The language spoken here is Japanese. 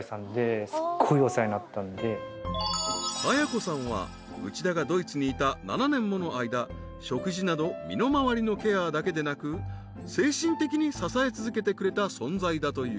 ［絢子さんは内田がドイツにいた７年もの間食事など身の回りのケアだけでなく精神的に支え続けてくれた存在だという］